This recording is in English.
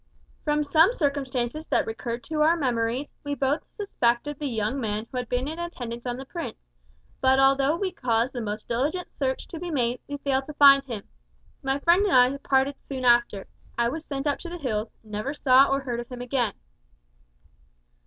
"From some circumstances that recurred to our memories, we both suspected the young man who had been in attendance on the prince, but, although we caused the most diligent search to be made, we failed to find him. My friend and I parted soon after. I was sent up to the hills, and never saw or heard of him again.